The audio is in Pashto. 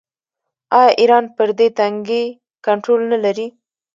آیا ایران پر دې تنګي کنټرول نلري؟